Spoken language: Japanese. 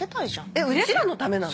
えっうちらのためなの？